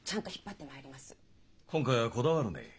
今回はこだわるねえ。